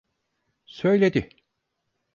Söyledi.